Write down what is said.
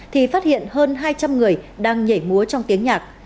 thì phát hiện hơn hai trăm linh người đang nhảy múa trong tiếng nhạc